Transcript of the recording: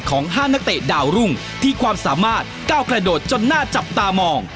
๕นักเตะดาวรุ่งที่ความสามารถก้าวกระโดดจนน่าจับตามอง